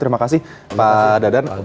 terima kasih pak dadan